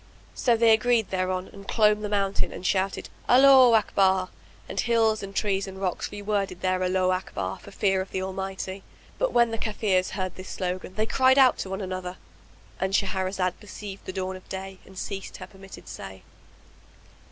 So they agreed thereon and clomb the mountain and shouted, "Allaho Akbar!" And hills and trees and rocks reworded their Allaho Akbar for fear of the Almighty. But when the Kafirs heard this slogan they cried out to one another,—And Shahrazad perceived the dawn of day and ceased to say her permitted say.